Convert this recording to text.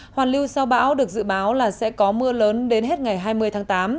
hoàn lưu sau bão được dự báo là sẽ có mưa lớn đến hết ngày hai mươi tháng tám